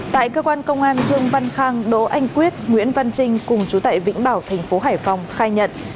tại cơ quan công an dương văn khang đỗ anh quyết nguyễn văn trinh cùng trú tại vĩnh bảo tp hải phòng khai nhận